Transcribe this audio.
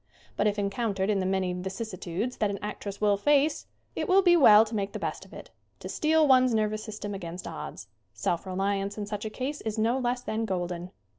But, if encountered in the many vicissitudes that an actress will face, it will be well to make the best of it ; to steel one's nervous system against odds. Self reliance in such a case is no less than golden.